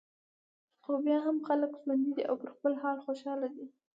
خو بیا هم خلک ژوندي دي او پر خپل حال خوشاله دي.